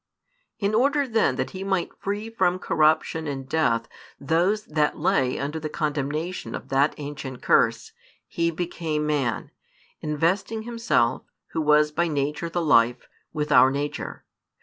In order then that He might free from corruption and death those that lay under the condemnation of that ancient curse, He became Man; investing Himself, Who was by Nature the Life, with our nature.